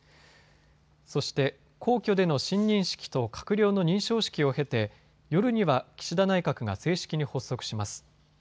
そして皇居での親任式と閣僚の認証式を経て夜には岸田内閣が正式に発足します。